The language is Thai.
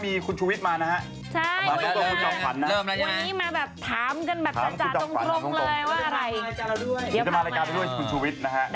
เดี๋ยวจะมารายการด้วยคุณชูวิทย์นะฮะ